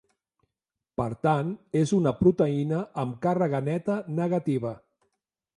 Per tant, és una proteïna amb càrrega neta negativa.